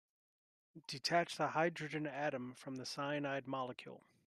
Detach the hydrogen atom from the cyanide molecule.